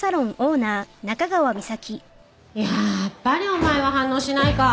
やっぱりお前は反応しないか。